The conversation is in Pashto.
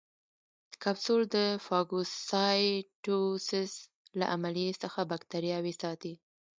کپسول د فاګوسایټوسس له عملیې څخه باکتریاوې ساتي.